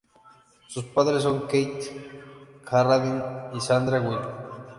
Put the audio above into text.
Sus padres son Keith Carradine y Sandra Will.